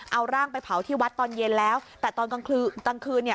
เอาร่างไปเผาที่วัดตอนเย็นแล้วแต่ตอนกลางคืนกลางคืนเนี่ย